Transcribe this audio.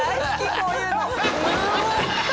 こういうの。